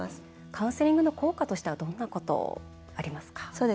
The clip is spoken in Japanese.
カウンセリングの効果としてはどんなこと、ありますか？